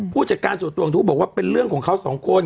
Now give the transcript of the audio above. ผู้จัดการส่วนตัวของทุกข์บอกว่าเป็นเรื่องของเขาสองคน